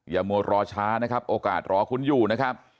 มัวรอช้านะครับโอกาสรอคุ้นอยู่นะครับ